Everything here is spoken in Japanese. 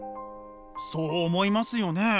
そう思いますよね。